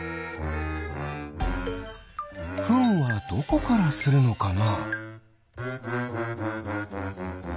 フンはどこからするのかな？